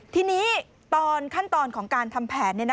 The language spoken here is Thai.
ทีนี้ตอนขั้นตอนของการทำแผน